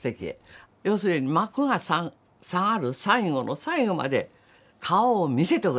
要するに「幕が下がる最後の最後まで顔を見せておけ！」